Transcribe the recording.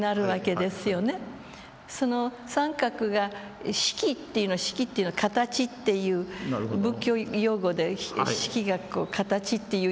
その三角が色っていうの色っていうのは形っていう仏教用語で色が形という意味ですよね。